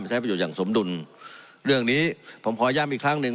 ใช้ประโยชนอย่างสมดุลเรื่องนี้ผมขอย้ำอีกครั้งหนึ่ง